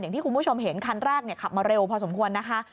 อย่างที่คุณผู้ชมเห็นคันแรกขับมาเร็วพอสมควรนะคะ